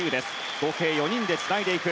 合計４人でつないでいく。